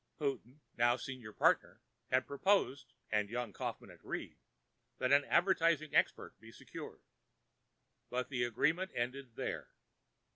Houghton, now senior partner, had proposed, and young Kaufmann agreed, that an advertising expert be secured. But the agreement ended there.